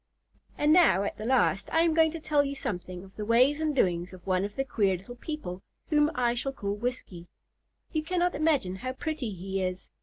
AND now, at the last, I am going to tell you something of the ways and doings of one of the queer little people, whom I shall call Whiskey. You cannot imagine how pretty he is.